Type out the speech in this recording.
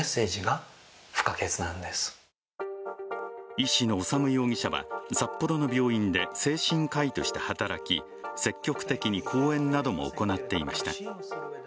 医師の修容疑者は札幌の病院で精神科医として働き、積極的に講演なども行っていました。